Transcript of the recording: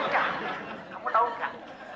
kamu tahu nggak